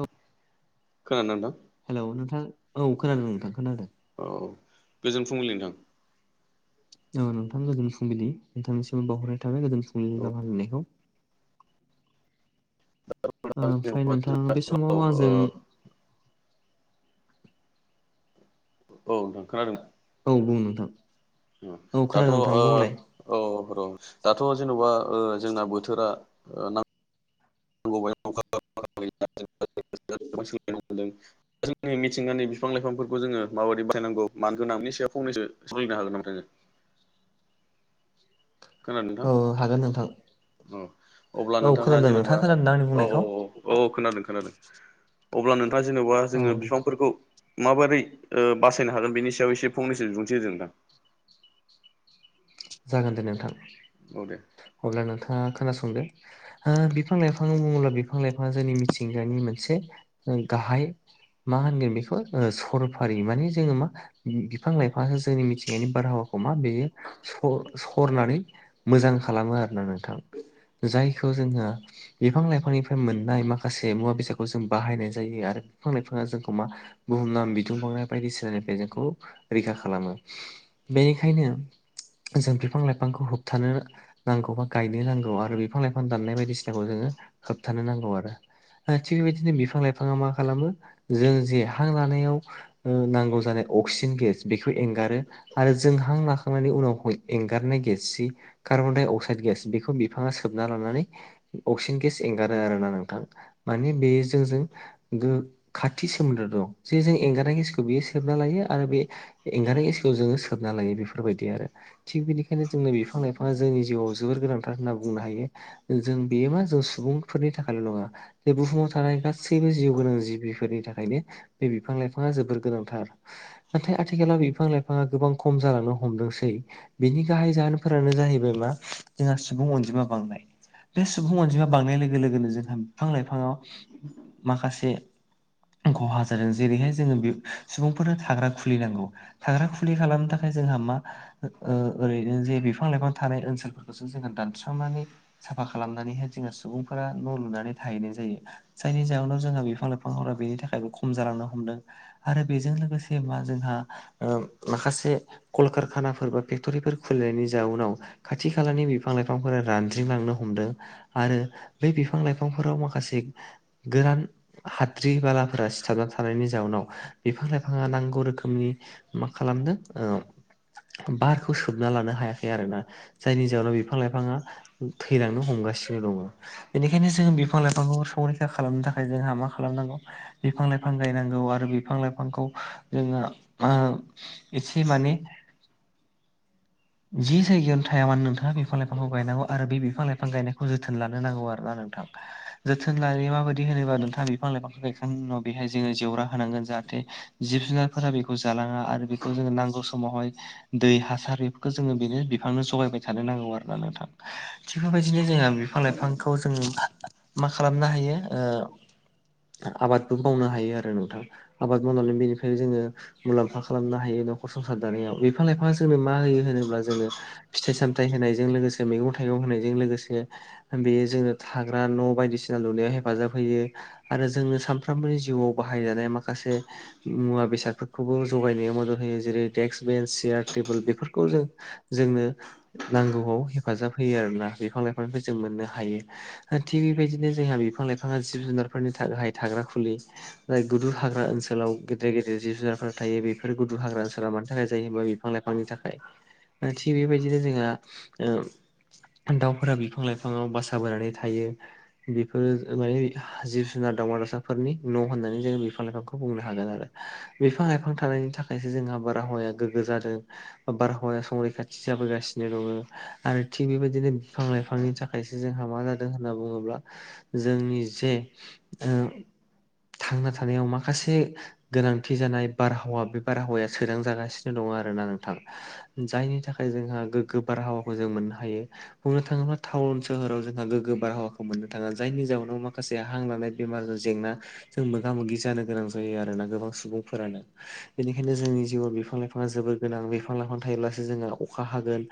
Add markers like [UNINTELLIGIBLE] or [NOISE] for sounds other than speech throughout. औ। [INAUDIBLE] खोनादों ना नोंथां? हेल' नोंथां औ खोनादों नोंथां खोनादों। औ गोजोन फुंबिलि नोंथां। औ नोंथां गोजोन फुंबिलि नोंथांनिसिमाव बावहरनाय थाबाय गोजोन फुंबिलि औ गाम हामलायनायखौ। ओमफ्राय जेनबा नोंथां बे औ समाव ओ आंजों औ नोंथां खोनादोंना? औ बुं नोंथां औ दाथ' खोनादों ओ नोंथां बुंलाय। औ र' दाथ' जेन'बा ओ जोंना बोथोरा ओ नां [UNINTELLIGIBLE] बे जोंनि मिथिंगानि बिफां लाइफांफोरखौ जोङो माबायदि बाहायनांगौ मानो गोनां बिनि सायाव फंनैसो सावरायनो हागोन नामा जोङो खोनादों औ हागोन नोंथां औ अब्ला औ नोंथाङा खोनादों जेनेबा खोनादों आंनि औ औ बुंनायखौ औ। अ खोनादों खोनादों अब्ला नोंथाङा जेनेबा औ जोङो दे बिफांफोरखौ माबोरै ओ बासायनो हागोन बेनि सायाव एसे फंनैसो बिबुंथि होदो नोंथां। जागोन दे नोंथां औ दे अब्ला नोंथाङा खोनासंदो। ओ बिफां लाइफाङ बुङोब्ला बिफां लाइफाङा जोंनि मिथिंगानि मोनसे गाहाय मा होनगोन बेखौ ओ सरफारि माने जोङो मा बिफां लाइफांङानो जोंनि मिथिंगानि बारहावाखौ मा बेयो स-सरनानै मोजां खालामो आरोना नोंथां जायखौ जोङो बिफां लाइफांनिफ्राय मोननाय माखासे मुवा बेसादखौ जों बाहायनाय जायो आरो बिफां लाइफाङा जोंखौ मा बुहुम नाम बिदुं बावनाय बायदि सोलायनिफ्राय जोंखौ रैखा खालामो बेनिखायनो जों बिफां लाइफांखौ होबथानो नांगौ बा गायनो नांगौ आरो बिफां लाइफां दाननाय बायदिसिनाखौ जोङो होबथानो नांगौ आरो। ओ थिग बेबायदिनो बिफां लाइफाङा मा खालामो जों जे हां लानायाव ओ नांगौ जानाय अक्सिजेन गेस बेखौ एंगारो आरो जों हां लाखांनानै उनाव एंगारनाय गेस सि कार्बन डाइ अक्साइद गेस बेखौ बिफाङा सोबना लानानै अक्सिजेन गेस एंगारो आरोना नोंथां माने बे जों जों गो खाथि सोमोन्दो दं जे जों एंगारनाय गेसखौ बियो सेबना लायो आरो बे एंगार गेसखौ जोङो सोबना लायो बेफोरबायदि आरो। थिग बिदिखायनो जोंनो बिफां लाइफाङा जोंनि जिउआव जोबोर गोनांथार होनना बुंनो हायो। जों बेयो मा जों सुबुंफोरनि थाखायल' नङा बे बुहुमाव थानाय गासैबो जिउ गोनां जिबिफोरनि थाखायनो बे बिफां लाइफाङा जोबोर गोनांथार ‌। नाथाय आथिखालाव बिफां लाइफाङा गोबां खम जालांनो हमदोंसै। बिनि गाहाय जाहोनफोरानो जाहैबाय मा जोंहा सुबुं अनजिमा बांनाय। बे सुबुं अनजिमा बांनाय लोगो लोगोनो जोंहा बिफां लाइफाङाव माखासे खहा जादों जेरैहाय जोङो बे सुबुंफोरा थाग्रा खुलिनांगौ थाग्रा खुलि खालामनो थाखाय जोंहा मा ओ ओरैनो जे बिफां लाइफां थानाय ओनसोलफोरखौसो जोङो दानस्रांनानै साफा खालामनानैहाय जोहा सुबुंफोरा न लुनानै थाहैनाय जायो। जायनि जाहोनाव जोंहा बिफां लाइफांफोरा बेनि थाखायबो खम जालांनो हमदों। आरो बेजों लोगोसे मा जोंहा ओ माखासे कलकारखाना फोर बा फेक्टरिफोर खुलिनायनि जाउनाव खाथि खालानि बिफां लाइफांफोरा रानजिं लांनो हमदों। आरो बे बिफां लाइफांफोराव माखासे गोरान हाद्रि बालाफोरा सिथाबना थानायनि जाउनाव बिफां लाइफाङा नांगौ रोखोमनि मा खालामदों ओ बारखौ सोबना लानो हायाखै आरोना। जायनि जाहोनाव बिफां लाइफाङा थैलांनो हमगासिनो दङ। बेनिखायनो जों बिफां लाइफांखौ संरैखा खालामनो थाखाय जोंहा मा खालामनांगौ बिफां लाइफां गायनांगौ आरो बिफां लाइफांखौ जोङो मा एसे माने जि जायगायावनो थाया मानो नोंथाङा बिफां लाइफांखौ गायनांगौ आरो बे बिफां लाइफां गायनाय बेखौ जोथोन लानो नांगौ आर ना नोंथांखाय। जोथोन लानाय माबायदि होनोबा नोंथाङा बिफां लाइफांखौ गायखांनायनि उनाव बेहाय जोङो जेवा होनांगोन जाहाथे जिब जुनारफोरा बेखौ जालाङा आरो बेखौ जोंङो नांगौ समावहाय दै हासार बेफोरखौ जोङो बेनो बिफांनो जगायबाय थानो नांगौ आरो ना नोंथां [UNINTELLIGIBLE] जोंहा बिफां लाइफांखौ जों मा खालामनो हायो ओ आबादबो मावनो हायो आरो नोंथां आबाद मावनानै बेनिफ्रायनो जोङो मुलाम्फा खालामनो हायो नखर संसार दानायाव बिफा लाइफाङा जोंनो मा होयो होनोब्ला जोंनो फिथाइ सामथाइ होनायजों लोगोसे मैगं थाइगं होनायजों लोगोसे बेयो जोंनो थाग्रा न बायदिसिना लुनायाव हेफाजाब होयो आरो जोंनो सानफ्रोमबोनि जिउआव बाहायजानाय माखासे मुवा बेसादफोरखौबो जगायनायाव मदद होयो जेरै डेक्स बेन्स चेयार टेबोल बेफोरखौ जों जोंनो नांगौआव हेफाजाब होयो आरोना बिफां लाइफांनिफ्राय जों मोननो हायो ओ थिग बेबायदिनो जोंहा बिफां लाइफाङा जिब जुनारफोरनि गाहाय थाग्रा खुलि जाय गुदु हाग्रा ओनसोलाव गेदेर गेदेर जिब जुनारफोर थायो बेफोर गुदु हाग्रा ओनसोला मानि थाखाय जायोबा बिफां लाइफांनि थाखाय थिग बेबायदिनो जोंहा ओ दाउफोरा बिफां लाइफाङाव बासा बोनानै थायो बिफोरो माने जिब जुनार दावमा दासाफोरनि न‌ होननानै जोङो बिफां लाइफांखौ बुंनो हागोन आरो बिफां लाइफां थानायनि थाखायसो जोंहा बारहावाया गोग्गो जादों दों बारहावाया संरैखाथि जाबोगासिनो दङो आरो थिग बेबायदिनो बिफां लाइफांनि थाखायसो जोंहा मा जादों होननानै बुङोब्ला जोंनि जे ओ थांना थानायाव माखासे गोनांथि जानाय बारहावा बे बारहावाया सोदां जागासिनो दङ आरोना नोंथां जायनि थाखाय जोंहा गोग्गो बारहावाखौ जों मोननो हायो बुंनो थाङोब्ला टाउन सोहोराव जोंहा गोग्गो बारहावाखौ मोननो थाङा जायनि जाउनाव माखासेया हां लानाय बेमारजों जेंनाजों मोगा मोगि जानो गोनां जायो आरोना गोबां सुबुंफोरानो बेनिखायनो जोंनि जिउआव बिफां लाइफाङा जोबोद गोनां बिफां लाइफां थायोब्लासो जोंहा अखा हागोन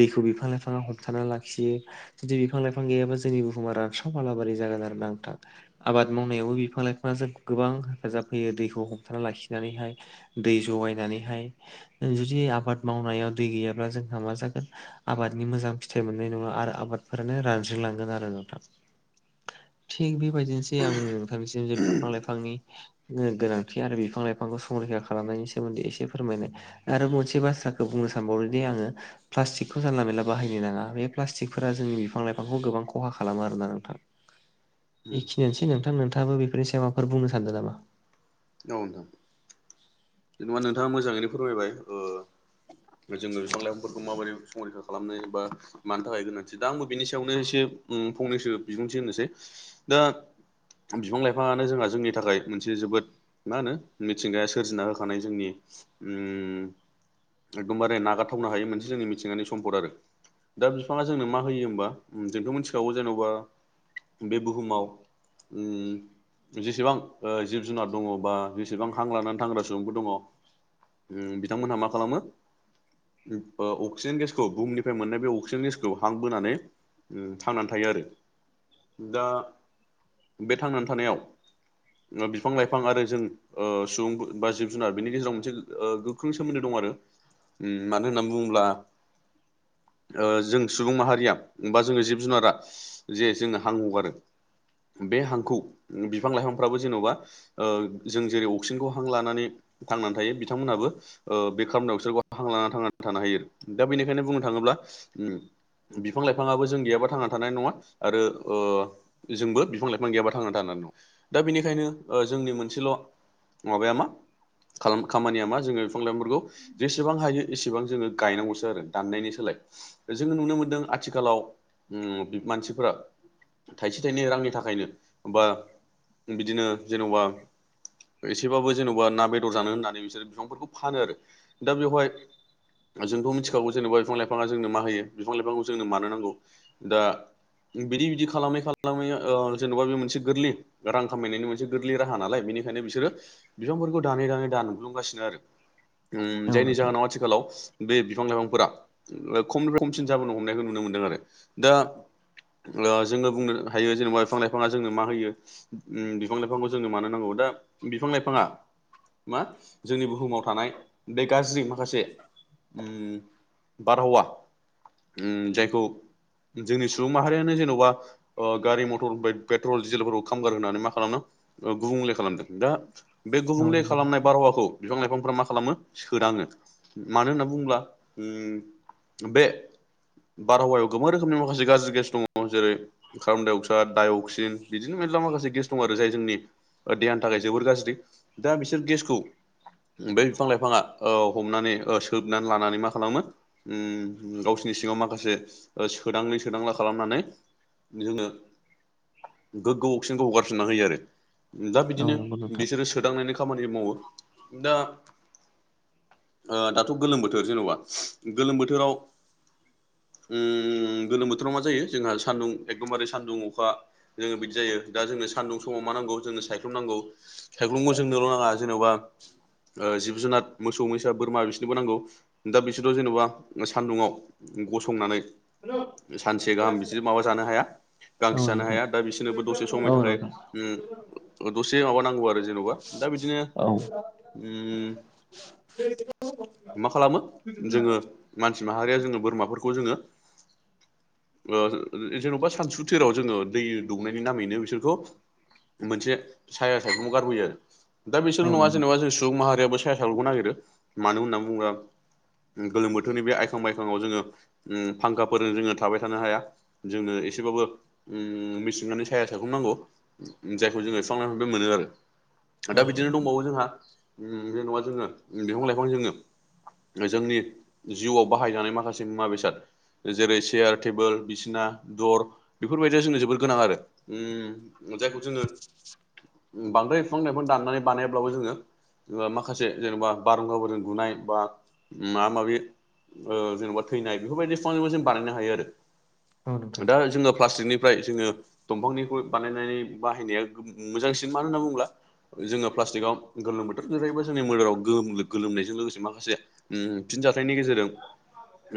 दैखौ बिफां लाइफाङा हमथानानानै लाखियो जुदि बिफां लाइफां गैयाबा जोंनि बुहुमा रानस्राव बालाबारि जागोन आरो ना नोंथा आबाद मावनायावबो बिफां लाइफाङा जोंखौ गोबां हेफाजाब होयो दैखौ हमथाना लाखिनानैहाय दै जगायनानैहाय जुदि आबाद मावनायाव दै गैयाब्ला जोंहा मा जागोन आबादनि मोजां फिथाइ मोननाय नङा आरो आबादफोरानो रानज्रिलांगोन आरो नोंथां थिग बिबायदिनोसै आङो नोंथांनिसिम जे बिफां लाइफांनि गो गोनांथि आरो बिफां लाइफांखौ संरैखा खालामनायनि सोमोन्दै एसे फोरमायनाय आरो मोनसे बाथ्राखौ बुंनो सानबावोदि आङो प्लास्टिकखौ जानला मानला बाहायनो नाङा बे प्लास्टिकफोरा जोंनि बिफां लाइफांखौ गोबां खहा खालामो आरोना नोंथां [UNINTELLIGIBLE] बेखिनियानोसै नोंथां नोंथाङाबो बेफोरनि सायाव माफोर बुंनो सानदों नामा औ नोंथां जेनेबा नोंथाङा मोजाङैनो फोरमायबाय ओ जोङो बिफां लाइफांफोरखौ माबायदि संरैखा खालामनो एबा मानि थाखाय गोनांथि दा आंबो बिनि सायावनो एसे फंनैसो बिबुंथि होनोसै दा बिफां लाइफाङानो जोंहा जोंनि थाखाय मोनसे जोबोद मा होनो मिथिंगाया सोरजिना होखानाय जोंनि उम एखदमबारे नागारथावनो हायो मोनसे जोंनि मिथिंगानि सम्पद आरो दा बिफाङा जोंनो मा होयो होमबा जोंथ मिथिखागौ जेन'बा बे बुहुमाव ओम जेसेबां ओ जिब जुनार दङ बा जेसेबां हां लानानै थांग्रा सुबुंफोर दङ ओम बिथांमोनहा मा खालामो अ अक्सिजेन गेसखौ बुहुमनिफ्राय मोननाय बे अक्सिजेन गेसखौ हां बोनानै ओम थांनानै थायो आरो दा बे थांनानै थानायाव बिफां लाइ फां आरो जों ओ सुबुं बा जिब जुनार बिनि गेजेराव मोनसे ओ गोख्रों सोमोन्दो दं आरो उम मानो होननानै बुङोब्ला ओ जों सुबुं माहारिया बा जोङो जिब जुनारा जे जोङो हां हगारो बे हांखौ बिफां लाइफांफ्राबो जेन'बा ओ जों जेरै अक्सिजेनखौ हां लानानै थांनानै थायो बिथांमोनहाबो ओ बे कार्बन डाइअक्साइडखौ हां लानानानै थांनानै थानो हायो दा बेनिखायनो बुंनो थाङोब्ला उम बिफां लाइफाङाबो जों गैयाबा थांना थानाय नङा आरो ओ जोंबो बिफां लाइफां गैयाबा थांनानै थानो हानाय नङा दा बेनिखायनो ओ जोंनि मोनसेल' माबाया मा [UNINTELLIGIBLE] खामानिया मा जोङो बिफा लायफांफोरखौ जेसेबां हायो एसेबां जोङो गायनांगौसो आरो दान्नायनि सोलाय। जोङो नुनो मोनदों आथिखालाव उम मानसिफोरा थाइसे थाइनै रांनि थाखायनो बा बिदिनो जेनबा एसेबाबो जेन'बा ना बेदर जानो होननानै बिसोरो बिफांफोरखौ फानो आरो दा बेवहाय। जोंथ' मिथिखागौ जेनेबा बिफां लाइफाङा जोंनो मा होयो बिफां लाइफांखौ जोंनो मानो नांगौ दा बिदि बिदि खालामै खालामै अ जेन'बा बे मोनसे गोरलै रां खामायनायनि मो से गोरलै राहा नालाय बेनिखायनो बिसोरो बिफांफोरखौ दानै दानै दानलुंगासिनो आरो। उम औ जायनि नोंथां जाहोनाव आथिखालाव बे बिफां लाइफांफोरा खमनिफ्राय खमसिन जाबोनो हमनायखौ नुनो मोनदों आरो दा ओ जोङो बुंनो हायो जेनेबा बिफां लाइफाङा जोंनो मा होयो उम। बिफां लाइफांखौ जोंनो मानो नांगौ दा बिफां लाइफाङा मा जोंनि बुहुमाव थानाय बे गाज्रि माखासे उम बारहावा उम जायखौ जोंनि सुबुं माहारियानो जेन'बा ओ गारि मथर बाय पेट्रल डिजेलफोरखौ खामगार होनानै मा खालामनो गुबुंले खालामदों दा बे औ गुबुंले नंगौ खालामनाय बारहावा हावाखौ बिफां लाइफांफ्रा मा खालामो सोदाङो। मानो होनना बुङोब्ला उम बे बारहावायाव गोबां रोखोमनि माखासे गाज्रि गेस दङ जेरै कारबन डाइ अक्सार डाइअक्सिन बिदिनो मेरला माखासे गेस दङ आरो जाय जोंनि देहानि थाखाय जोबोर गाज्रि दा बिसोर गेसखौ बे बिफां लाइफाङा औ हमनानै ओ सोबनानै लानानै मा खालामो उम गावसिनि सिङाव माखासे ओ सोदांलि सोदांला खालामनानै जोंनो गोग्गो अक्सिनखौ हगारफिनना होयो आरो। दा बिदिनो नोंथां बिसोरो सोदांनायनि खामानि मावो दा ओ दाथ' गोलोम बोथोर जेन'बा गोलोम बोथोराव उम गोलोम बोथोराव मा जायो जोंहा सान्दुं एखदमबारे सान्दुं अखा। जोङो बिदि जायो दा जोङो सान्दुं समाव मा नांगौ जोंनो सायख्लुम नांगौ सायख्लुमखौ जोंनोल' नाङा जेनबा ओ जिब जुनार मोसौ मैसा बोरमा बिसोरनोबो नांगौ। दा बिसोरबो जेन'बा ओ सान्दुंङाव गसंनानै सानसे गाहाम बिदि माबा जानो हाया औ गांसो नंगौ जानो नोंथां हाया दा बिसोरनोबो दसे औ नोंथां औ समनि थाखाय। नोंथां उम दसे माबा नांगौ आरो जेनबा दा बिदिनो औ उम। मा खालामो जोङो मानसि माहारिया जोङो बोरमाफोरखौ जोङो ओ जेन'बा सानसुथिराव जोङो दै दौनायनि नामैनो बिसोरखौ मोनसे साया सायख्लुमाव गारबोयो दा बिसोरल' औ नङा नोंथां जेन'बा जों सुबुं माहारियाबो साया सायख्लुमखौ नागिरो मानो होन्ना बुंब्ला गोलोम बोथोरनि बे आइखां बायखाङाव जोङो ओम फांखाफोरजों जोङो थाबाय थानो हाया। जोङो एसेबाबो उम मिसिंगानि साया सायख्लुम नांगौ। जायखौ जोङो बिफां लाइफांनिफ्राय मोनो आरो औ दा औ बिदिनो दंबावो जोंहा उम जेन'बा जोङो बिफां लाइफां जोङो जोंनि जिउआव बाहायजानाय माखासे मुवा बेसाद। जेरै चेयार टेबोल बिसिना दर। बेफोरबायदिया जोंनो जोबोर गोनां आरो। जायखौ जोङो बांद्राय बिफां लाइफां दाननानै बानायब्लाबो जोङो माखासे जेन'बा बारहुंखाफोरजों गुनाय बा माबा माबि ओ जेन'बा थैनाय बेफोरबायदि बिफांबो जों बानायनो हायो आरो। नोंथां दा जोङो प्लास्टिकनिफ्राय जोङो दंफांनिखौ बानाय जायनि बाहायनाया मोजांसिन मानो होनना बुंब्ला जोङो प्लास्टिकआव गोलोम बोथोर जेरैबो जोंनि मोदोमाव गो गोलोमनायजों लोगोसे माखासे उम फिनजाथायनि गेजेरजों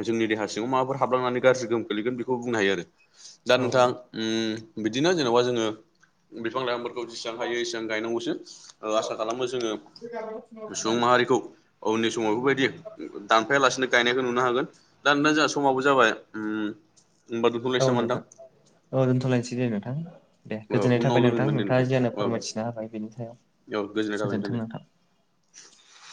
जोंनि देहा सिङाव माबाफोर हाबलांनानै गाज्रि गोहोम खोग्लैगोन बेखौ बुंनो हायो आरो। दा नोंथां औ उम बिदिनो जेन'बा जोङो बिफां लाइफांफोरखौ जेसेबां हायो एसेबां गायनांगौसो आसा खालामो जोङो सुबुं माहारिखौ उननि समाव बेफोरबायदि दानफायालासिनो गायनायखौ नुनो हागोन। दा नोंथां जोंहा समाबो जाबाय। होमबा औ दोनथ'लायसै नामा नोंथां औ दोनथ'लायनोसै दे नोंथां। दे गोजोननाय उनाव थाबाय लोगो नोंथां मोनगोन दे नोंथाङा जियानो औ फोरमायथिनो हाबाय बिनि औ सायाव गोजोननाय थाबाय दे गोजोन्थों नोंथां।